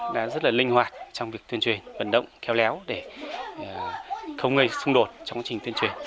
đã rất là linh hoạt trong việc tuyên truyền vận động kéo léo để không gây xung đột trong quá trình tuyên truyền